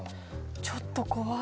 ちょっと怖い。